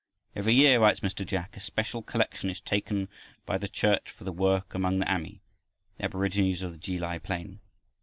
"Every year," writes Mr. Jack, "a special collection is taken by the Church for the work among the Ami the aborigines of the Ki lai plain."